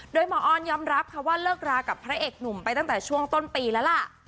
โดยหมอออนยอมรับค่ะว่าเลิกรากับพระเอกหนุ่มไปตั้งแต่ช่วงต้นปีแล้วล่ะ